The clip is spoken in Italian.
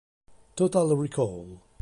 Total Recall